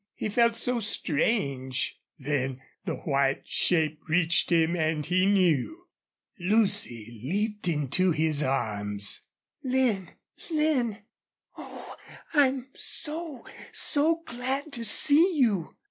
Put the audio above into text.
He felt so strange. Then the white shape reached him and he knew. Lucy leaped into his arms. "Lin! Lin! Oh, I'm so so glad to see you!"